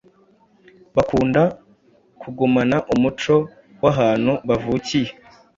Bakunda kugumana umuco w’ahantu bavukiye